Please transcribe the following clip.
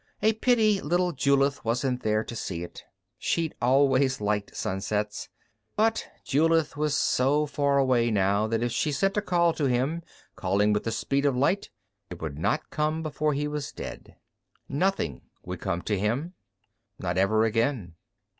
A pity little Julith wasn't here to see it; she'd always liked sunsets. But Julith was so far away now that if she sent a call to him, calling with the speed of light, it would not come before he was dead. Nothing would come to him. Not ever again.